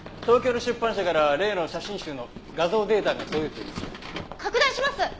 東京の出版社から例の写真集の画像データが届いています。